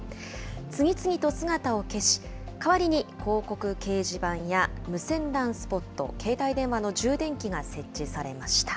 次々と姿を消し、代わりに広告掲示板や、無線ＬＡＮスポット、携帯電話の充電器が設置されました。